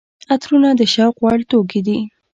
عطرونه د شوق وړ توکي دي.